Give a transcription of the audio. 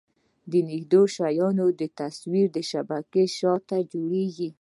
د نږدې شیانو تصویر د شبکیې شاته جوړېږي.